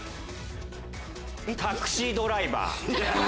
『タクシードライバー』。